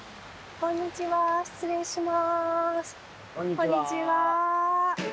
こんにちは。